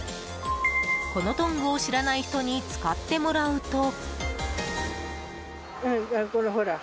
このトングを知らない人に使ってもらうと。